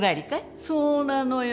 そうなのよ。